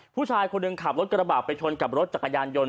ผู้ชายคนหนึ่งขับรถกระบาดไปชนกับรถจักรยานยนต์